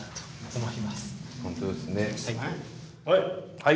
はい。